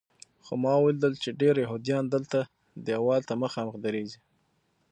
خو ما ولیدل چې ډېر یهودیان دلته دیوال ته مخامخ درېږي.